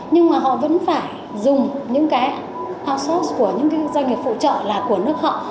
nhưng họ vẫn phải dùng những cái outsource của những doanh nghiệp phụ trợ là của nước họ